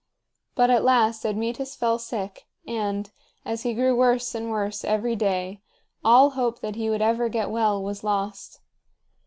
But at last Admetus fell sick, and, as he grew worse and worse every day, all hope that he would ever get well was lost.